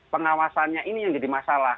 pengawasannya ini yang jadi masalah